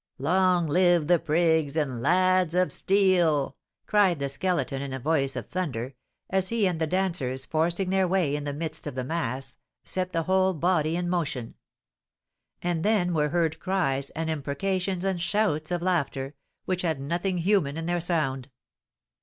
"Long live the prigs and lads of steel!" cried the Skeleton in a voice of thunder, as he and the dancers, forcing their way in the midst of the mass, set the whole body in motion; and then were heard cries, and imprecations, and shouts of laughter, which had nothing human in their sound.